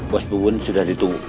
bos bubun sudah ditunggu